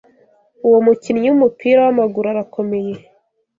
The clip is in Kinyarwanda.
Uwo mukinnyi wumupira wamaguru arakomeye.